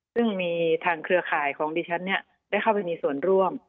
ซึ่งมีทางเครือข่ายของดิฉันได้เข้าไปมีส่วนร่วม